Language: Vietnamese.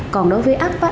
còn đối với ấp